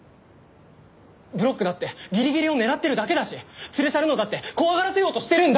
ブロックだってギリギリを狙ってるだけだし連れ去るのだって怖がらせようとしてるんだって。